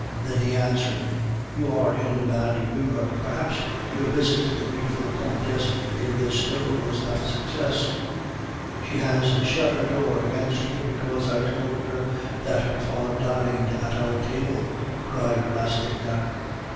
Then he answered: "You are in a bad humor; perhaps your visit to the beautiful Comtesse de Restaud was not a success." "She has shut her door against me because I told her that her father dined at our table," cried Rastignac.